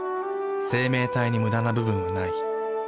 生命体にムダな部分はない。